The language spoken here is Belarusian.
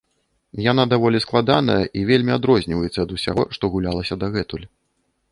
Яна даволі складаная і вельмі адрозніваецца ад усяго, што гулялася дагэтуль.